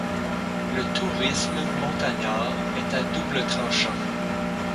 Le tourisme montagnard est à double tranchant.